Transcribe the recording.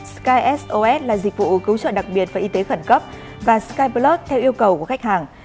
skos là dịch vụ cứu trợ đặc biệt và y tế khẩn cấp và skyplus theo yêu cầu của khách hàng